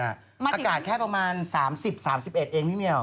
อากาศแค่ประมาณ๓๐๓๑เองพี่เมียว